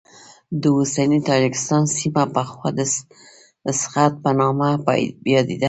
د اوسني تاجکستان سیمه پخوا د سغد په نامه یادېده.